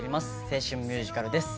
青春ミュージカルです